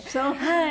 はい。